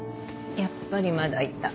やっぱりまだいた。